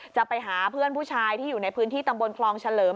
จะไปหาเพื่อนผู้ชายที่อยู่ในพื้นที่ตำบลคลองเฉลิม